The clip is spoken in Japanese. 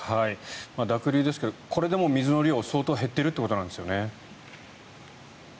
濁流ですけどこれでも水の量は相当、減ってるということなんですよね。